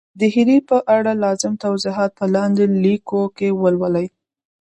د هري ي په اړه لازم توضیحات په لاندي لیکو کي ولولئ